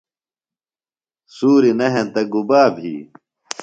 سُوری نہ ہنتہ گُبا بھی؟